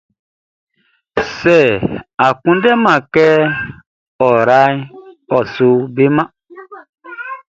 Sɛ a kunndɛman kɛ ɔ raʼn, ɔ su beman.